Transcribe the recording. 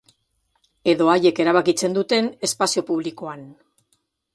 Edo haiek erabakitzen duten espazio publikoan.